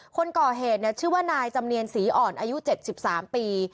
คนก่อเหตุชื่อว่านายจำเนียนศรีอ่อนอายุ๗๓ปี